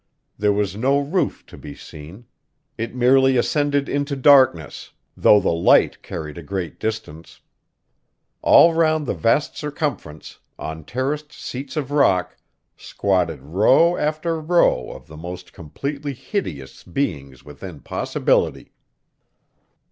There was no roof to be seen; it merely ascended into darkness, though the light carried a great distance. All round the vast circumference, on terraced seats of rock, squatted row after row of the most completely hideous beings within possibility.